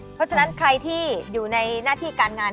เพราะฉะนั้นใครที่อยู่ในหน้าที่การงาน